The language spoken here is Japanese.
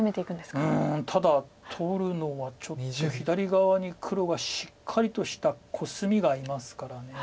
うんただ取るのはちょっと左側に黒がしっかりとしたコスミがありますから。